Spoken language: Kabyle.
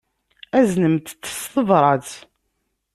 Aznemt-t s tebṛat.